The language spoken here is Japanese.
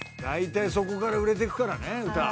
そこから売れていくからね歌。